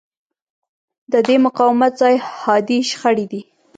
د دې مقاومت ځای حادې شخړې دي.